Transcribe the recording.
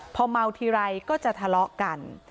พอเมาทีไรก็จะทะเลาะกัน